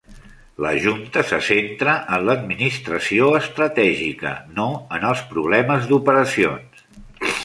La Junta se centra en l'administració estratègica, no en els problemes d'operacions.